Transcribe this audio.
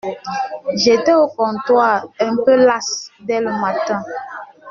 J’étais au comptoir, un peu las dès le matin.